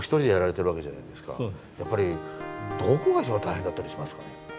やっぱりどこが一番大変だったりしますかね。